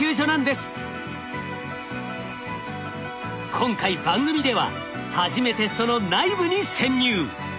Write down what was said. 今回番組では初めてその内部に潜入。